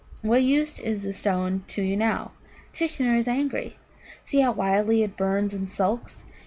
What use is the stone to you now? Tishnar is angry. See how wildly it burns and sulks.